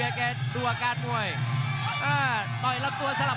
อย่าหลวนนะครับที่เตือนทางด้านยอดปรับศึกครับ